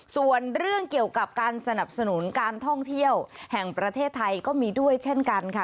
ส่วนเรื่องเกี่ยวกับการสนับสนุนการท่องเที่ยวแห่งประเทศไทยก็มีด้วยเช่นกันค่ะ